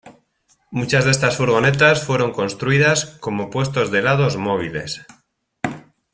Muchas de estas furgonetas fueron construidas como puestos de helados móviles.